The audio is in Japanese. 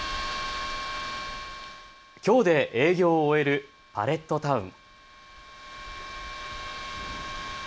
きょうで営業を終えるパレットタウン。